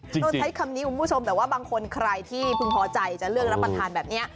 ต้องใช้คำนี้คุณผู้ชมแต่ว่าบางคนใครที่พึงพอใจจะเลือกรับประทานแบบนี้